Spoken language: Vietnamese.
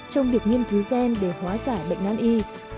trong việc nghiên cứu gen để hóa giải bệnh năn y